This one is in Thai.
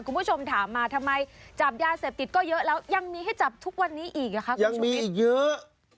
คุณผู้ชมถามมาทำไมจับยาเสพติดก็เยอะแล้วยังมีให้จับทุกวันนี้อีกอ่ะคะคุณผู้ชมคิดเยอะ